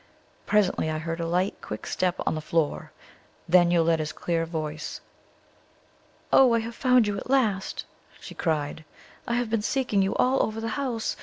Presently I heard a light, quick step on the floor, then Yoletta's clear voice. "Oh, I have found you at last!" she cried. "I have been seeking you all over the house.